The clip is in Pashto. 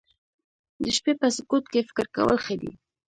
د شپې په سکوت کې فکر کول ښه دي